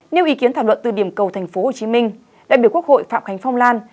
nêu ý kiến thảo luận từ điểm cầu tp hcm đại biểu quốc hội phạm khánh phong lan